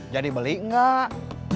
jadi beli nggak